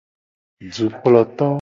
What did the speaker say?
Dukploto.